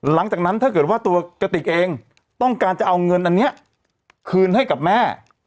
หลังจากนั้นถ้าเกิดว่าตัวกติกเองต้องการจะเอาเงินอันนี้คืนให้กับแม่